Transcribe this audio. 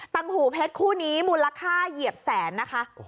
หูเพชรคู่นี้มูลค่าเหยียบแสนนะคะ